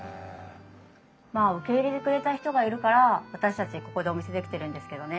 まあ受け入れてくれた人がいるから私たちここでお店できてるんですけどね。